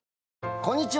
こんにちは。